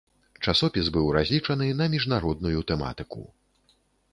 Часопіс быў разлічаны на міжнародную тэматыку.